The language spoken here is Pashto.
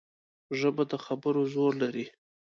ژبه د خبرو زور لري